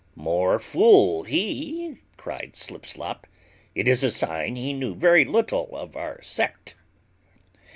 "More fool he," cried Slipslop; "it is a sign he knew very little of our sect."